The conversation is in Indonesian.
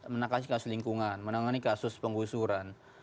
menangani kasus lingkungan menangani kasus pengusuran